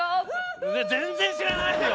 全然知らないよ！